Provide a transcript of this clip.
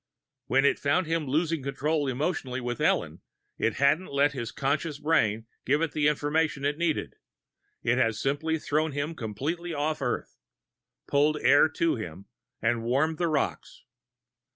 When it found him losing control emotionally with Ellen, it hadn't let his conscious brain give it the information it needed it had simply thrown him completely off Earth, pulled air to him, and warmed the rocks.